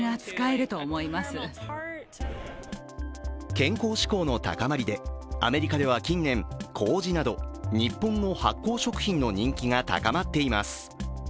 健康志向の高まりで、アメリカでは近年、こうじなど日本の発酵食品の人気が高まっています。